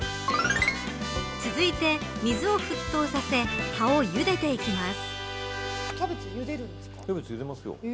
続いて、水を沸騰させ葉をゆでていきます。